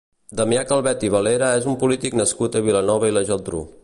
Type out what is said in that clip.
Damià Calvet i Valera és un polític nascut a Vilanova i la Geltrú.